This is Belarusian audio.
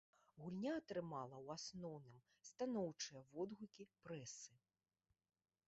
Гульня атрымала, у асноўным, станоўчыя водгукі прэсы.